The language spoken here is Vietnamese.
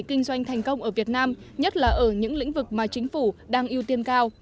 kinh doanh thành công ở việt nam nhất là ở những lĩnh vực mà chính phủ đang ưu tiên cao